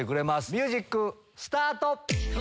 ミュージックスタート！